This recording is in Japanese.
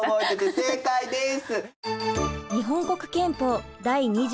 正解です。